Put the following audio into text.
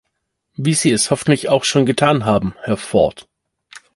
Wie Sie es hoffentlich auch schon getan haben, Herr Ford.